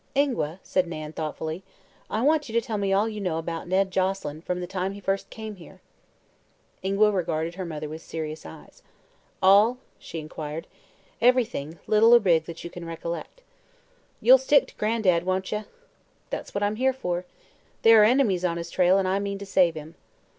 "Ingua," said Nan, thoughtfully, "I want you to tell me all you know about Ned Joselyn, from the time he first came here." Ingua regarded her mother with serious eyes. "All?" she inquired. "Everything, little or big, that you can recollect." "You'll stick to Gran'dad, won't ye?" "That's what I'm here for. There are enemies on his trail and I mean to save him."